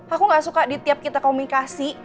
aku gak suka di tiap kita komunikasi